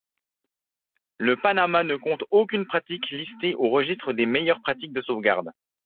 Le Panama ne compte aucune pratique listée au registre des meilleures pratiques de sauvegarde.